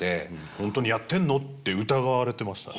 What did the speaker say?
「本当にやってんの？」って疑われてましたね。